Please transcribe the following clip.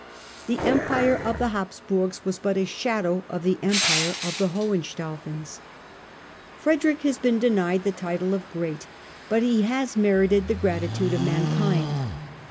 The Empire of the Hapsburgs was but a shadow of the Empire of the Hohenstaufens. Frederick has been denied the title of " great," but he has merited the gratitude of mankind.